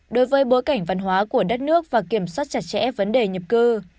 đối với bối cảnh văn hóa của đất nước và kiểm soát chặt chẽ vấn đề nhập cư